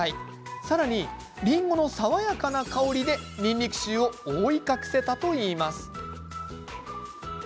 さらに、りんごの爽やかな香りでにんにく臭を覆い隠せたといいます。